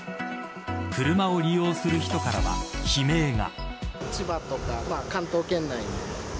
車を利用する人からは悲鳴が。